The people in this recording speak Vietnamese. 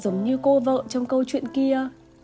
để giống như cô vợ trong câu chuyện kia